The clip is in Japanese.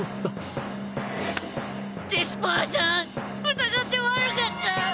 疑って悪かった。